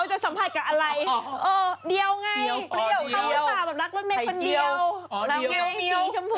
แล้วไงสีชมพูอย่างงี้